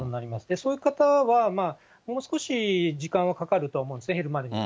そういう方はもう少し時間がかかると思うんですよね、減るまでには。